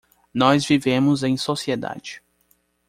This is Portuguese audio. Nós vivemos em sociedade.